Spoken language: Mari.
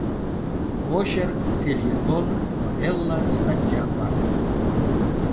ОЧЕРК, ФЕЛЬЕТОН, НОВЕЛЛА, СТАТЬЯ-ВЛАК